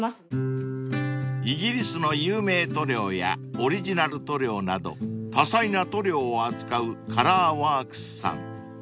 ［イギリスの有名塗料やオリジナル塗料など多彩な塗料を扱うＣＯＬＯＲＷＯＲＫＳさん］